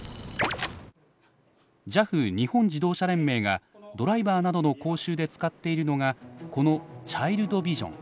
ＪＡＦ日本自動車連盟がドライバーなどの講習で使っているのがこのチャイルドビジョン。